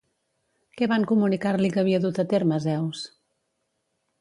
Què van comunicar-li que havia dut a terme Zeus?